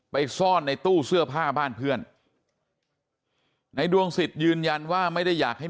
ไปซ่อนในตู้เสื้อผ้าบ้านเพื่อนในดวงสิทธิ์ยืนยันว่าไม่ได้อยากให้